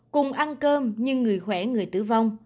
cùng ăn cơm nhưng người khỏe người tử vong